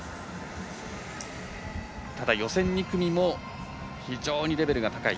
ただ、予選２組も非常にレベルが高い。